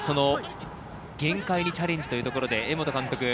限界にチャレンジというところで江本監督。